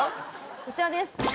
こちらです。